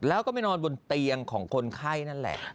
แล้วก็ไปนอนบนเตียงของคนไข้นั่นแหละ